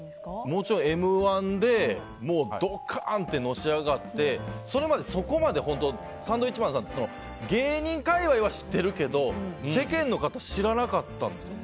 もうちょい「Ｍ‐１」でドカンってのし上がってそれまで、そんなにサンドウィッチマンさんって芸人界隈は知ってるけど世間の方知らなかったんですよ。